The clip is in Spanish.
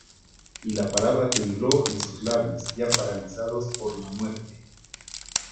Y la palabra tembló en sus labios ya paralizados por la muerte.